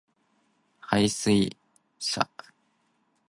杯水車薪